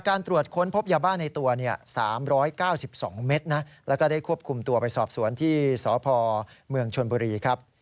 การตรวจค้นพบยาบ้าในตัว๓๙๒เมตรนะแล้วก็ได้ควบคุมตัวไปสอบสวนที่สพเมืองชนบุรีครับ